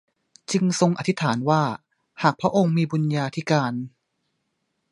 จึงทรงอธิษฐานว่าหากพระองค์มีบุญญาธิการ